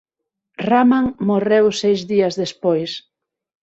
Rahman morreu seis días despois.